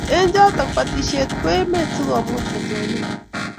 Eng chotok batishet eng' emet si komuch kotonon